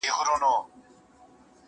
نه نجلۍ یې له فقیره سوای غوښتلای.!